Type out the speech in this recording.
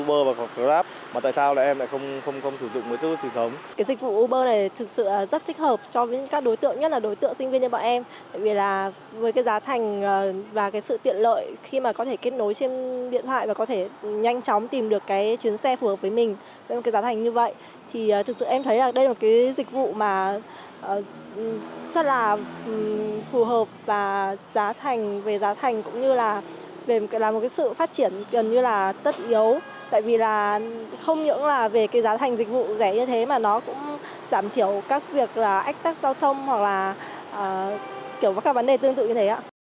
vì là một sự phát triển gần như là tất yếu tại vì là không những là về cái giá thành dịch vụ rẻ như thế mà nó cũng giảm thiểu các việc là ách tác giao thông hoặc là kiểu các vấn đề tương tự như thế ạ